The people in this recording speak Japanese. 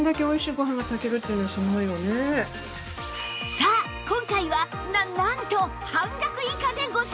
さあ今回はななんと半額以下でご紹介！